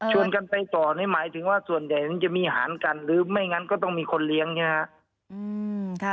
กันไปต่อนี่หมายถึงว่าส่วนใหญ่มันจะมีหารกันหรือไม่งั้นก็ต้องมีคนเลี้ยงใช่ไหมครับ